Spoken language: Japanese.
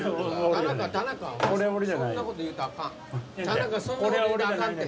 田中そんなこと言うたらあかんって！